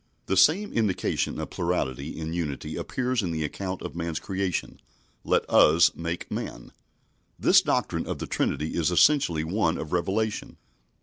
The same indication of plurality in unity appears in the account of man's creation: "Let us make man." This doctrine of the Trinity is essentially one of revelation.